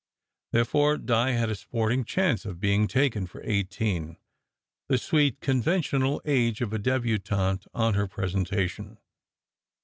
Therefore, Di had a sporting chance of being taken for eighteen, the sweet conventional age of a debutante on her presentation.